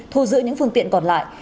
thu giữ những phương tiện còn lại